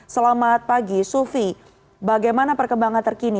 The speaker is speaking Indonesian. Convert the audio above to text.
selamat pagi sufi bagaimana perkembangan terkini